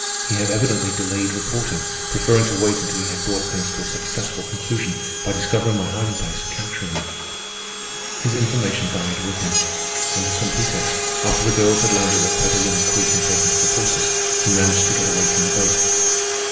He had evidently delayed reporting, preferring to wait until he had brought things to a successful conclusion by discovering my hiding place and capturing me. His information died with him. Under some pretext, after the girls had landed at Petaluma Creek and taken to the horses, he managed to get away from the boat.